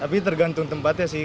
tapi tergantung tempatnya sih